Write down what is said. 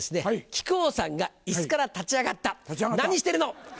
「木久扇さんが椅子から立ち上がった何してるの？」。